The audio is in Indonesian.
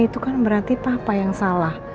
itu kan berarti apa yang salah